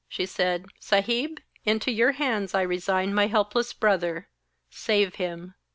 She said: 'Saheb, into your hands I resign my helpless brother. Save him.'